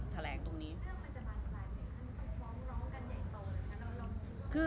รูปนั้นผมก็เป็นคนถ่ายเองเคลียร์กับเรา